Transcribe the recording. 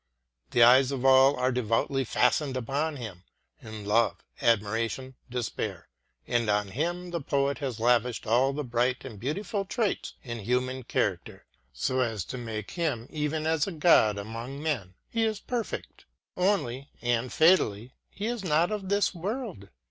The eyes of all are devoutly fastened upon him ŌĆö in love, admiration, despair. And on him the poet has lavished all the bright and beautiful traits in human character, so as to make him even as a god among men. He is perfect. Only, and fatally, he is not of this world.